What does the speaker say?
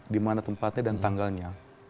di mana tempatnya dan tanggalnya